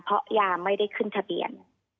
เพราะยาไม่ได้ขึ้นทะเบียน